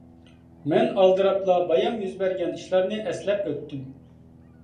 مەن ئالدىراپلا بايام يۈز بەرگەن ئىشلارنى ئەسلەپ ئۆتتۈم.